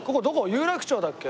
有楽町だっけ？